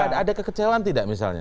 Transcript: tidak ada kekecelahan tidak misalnya